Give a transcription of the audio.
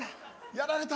やられた。